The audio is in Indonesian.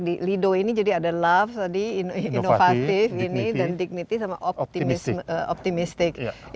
di lido ini jadi ada love tadi inovatif ini dan dignity sama optimistik